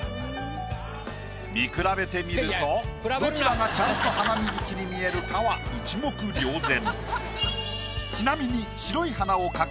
見比べてみるとどちらがちゃんとハナミズキに見えるかは一目瞭然。